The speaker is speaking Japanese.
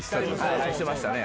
はいしてましたね。